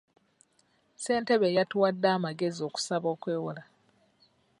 Ssentebe yatuwadde amagezi okusaba okwewola.